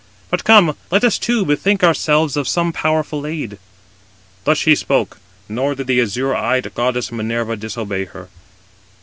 But come, let us too bethink ourselves of some powerful aid." Thus she spoke; nor did the azure eyed goddess Minerva disobey her.